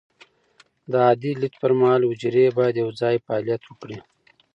د عادي لید پر مهال، حجرې باید یوځای فعالیت وکړي.